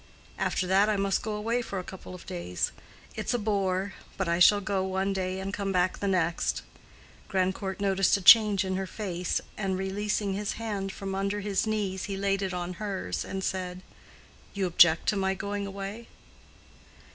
"After that I must go away for a couple of days—it's a bore—but I shall go one day and come back the next." Grandcourt noticed a change in her face, and releasing his hand from under his knees, he laid it on hers, and said, "You object to my going away?"